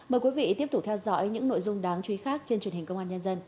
mời quý vị tiếp tục theo dõi những nội dung đáng chú ý khác trên truyền hình công an nhân dân